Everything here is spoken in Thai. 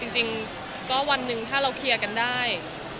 จริงก็วันหนึ่งถ้าเราเคลียร์กันได้